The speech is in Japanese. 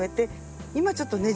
今ちょっとね